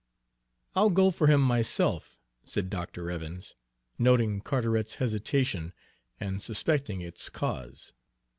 "I'll go for him myself," said Dr. Evans, noting Carteret's hesitation and suspecting its cause.